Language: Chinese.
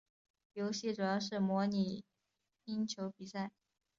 游戏主要是模拟冰球比赛。